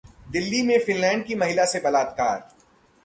दिल्ली में फिनलैंड की महिला से बलात्कार